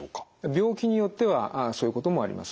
病気によってはそういうこともあります。